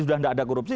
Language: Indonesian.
sudah gak ada korupsi